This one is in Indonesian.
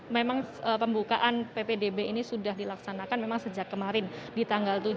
memang pembukaan ppdb ini sudah dilaksanakan memang sejak kemarin di tanggal tujuh